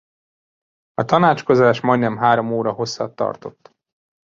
A tanácskozás majdnem három óra hosszat tartott.